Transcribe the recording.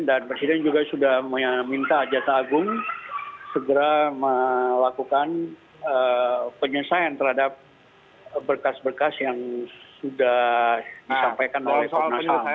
dan presiden juga sudah minta jaksa agung segera melakukan penyelesaian terhadap berkas berkas yang sudah disampaikan oleh pernasal